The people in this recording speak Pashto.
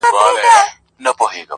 وجود دې ستا وي زه د عقل له ښيښې وځم,